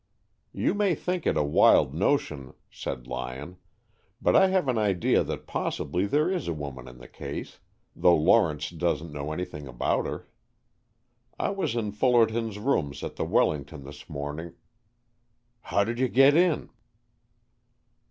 "You may think it a wild notion," said Lyon, "but I have an idea that possibly there is a woman in the case, though Lawrence doesn't know anything about her. I was in Fullerton's rooms at the Wellington this morning, " "How did you get in?"